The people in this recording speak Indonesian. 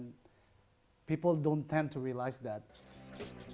dan orang tidak terlalu terperasakan